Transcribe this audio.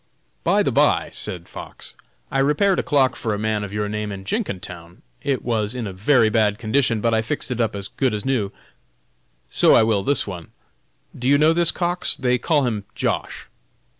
"By the by," said Fox, "I repaired a clock for a man of your name in Jenkintown; it was in a very bad condition, but I fixed it up as good as new; so I will this one. Do you know this Cox? they call him Josh.